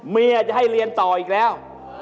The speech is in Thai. เมียจะให้เรียนต่ออีกแล้ว